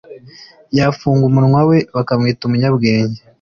yafunga umunwa we, bakamwita umunyabwenge